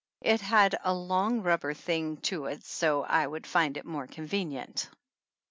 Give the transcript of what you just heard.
It had a long rub ber thing to it so I would find it more conveni ent.